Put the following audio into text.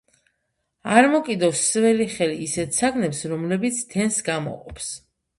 არ მოკიდო სველი ხელი ისეთ საგნებს, რომლებიც დენს გამოყოფს.